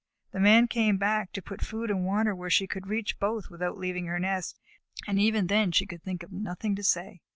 The Man came back to put food and water where she could reach both without leaving her nest, and even then she could think of nothing to say.